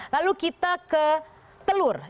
lalu kita ke telur